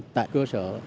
tại cơ sở